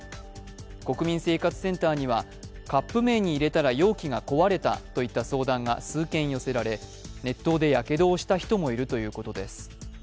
国民生活センターにはカップ麺に入れたら容器が壊れたといった相談が数件寄せられ熱湯でやけどをした人もいるということです。